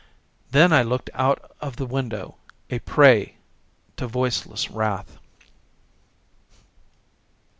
Then I looked out of the window, a prey to voiceless wrath.